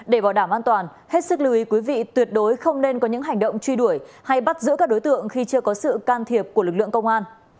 để bảo đảm an toàn hết sức lưu ý quý vị tuyệt đối không nên có những hành động truy đuổi hay bắt giữ các đối tượng khi chưa có sự can thiệp của lực lượng công an